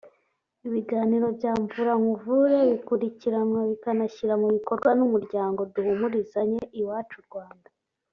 Ibiganiro bya Mvura nkuvure bikurikiranwa bikanashyirwa mu bikorwa n’Umuryango Duhumurizanye Iwacu-Rwanda